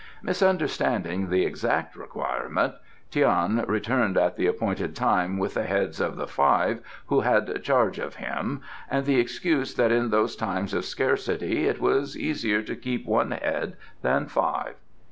Misunderstanding the exact requirement, Tian returned at the appointed time with the heads of the five who had charge of him and the excuse that in those times of scarcity it was easier to keep one head than five.